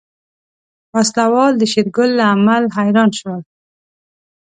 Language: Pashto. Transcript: وسله وال د شېرګل له عمل حيران شول.